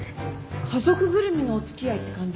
家族ぐるみのお付き合いって感じ？